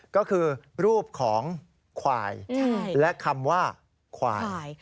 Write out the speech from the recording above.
ก็คือรูปของควายและคำว่าควาย